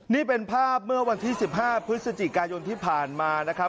นี่เป็นภาพเมื่อวันที่๑๕พฤศจิกายนที่ผ่านมานะครับ